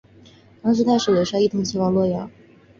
当时太守刘夏派官吏陪同难升米一行前往洛阳。